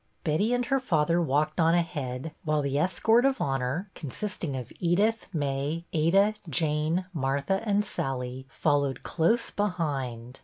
Betty and her father walked on ahead, while the escort of honor, consisting of Edith, May, Ada, Jane, Martha, and Sallie, followed close behind.